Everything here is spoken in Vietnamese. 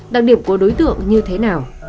đặc điểm của đối tượng như thế nào